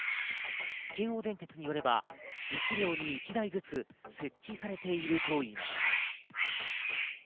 京王電鉄によれば１両に１台ずつ設置されているといいます。